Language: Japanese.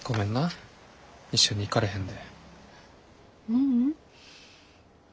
ううん。